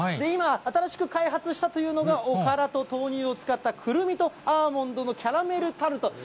今、新しく開発したというのが、おからと豆乳を使ったくるみとアーモンドのキャラメルタルト。